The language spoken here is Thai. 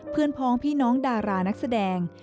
เพื่อนพ้องพี่น้องดารานักแสดง